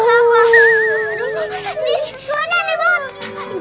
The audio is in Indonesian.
aduh ini suhu aneh nih bu